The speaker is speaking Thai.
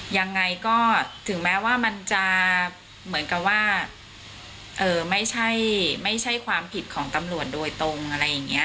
ยังไงก็ถึงแม้ว่ามันจะเหมือนกับว่าไม่ใช่ความผิดของตำรวจโดยตรงอะไรอย่างนี้